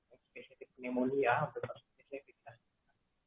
jadi vaksin pneumonia untuk vaksin bcg kita sudah bisa